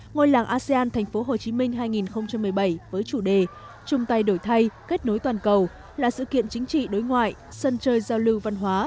ngôi làng asean thành phố hồ chí minh hai nghìn một mươi bảy với chủ đề trung tay đổi thay kết nối toàn cầu là sự kiện chính trị đối ngoại sân chơi giao lưu văn hóa